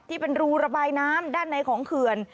ที่เป็นรูระบายน้ำด้านในของเขื่อน